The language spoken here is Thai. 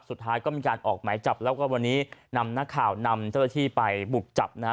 สุดท้ายก็มีการออกหมายจับแล้วก็วันนี้นำนักข่าวนำเจ้าหน้าที่ไปบุกจับนะฮะ